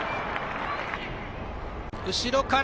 後ろから、